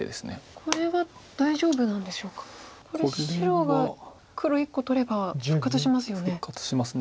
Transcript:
これ白が黒１個取れば復活しますよね。